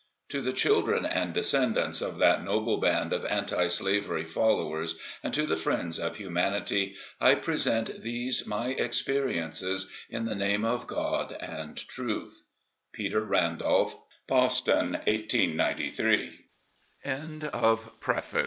To the children and descendants of that noble band of Anti Slavery followers, and to the friends of humanity, I present these my experiences, in the name of God and Truth. Peter Randolph. Boston, 1893. CONTENTS. CHAPTER PAGE. I. Early Life 9 II.